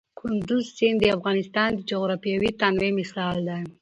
کندز سیند د افغانستان د جغرافیوي تنوع مثال دی.